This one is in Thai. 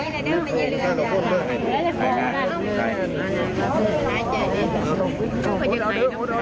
ผูกข้อไม้ข้อมือให้กำลังใจลูกชายด้วยนะครับ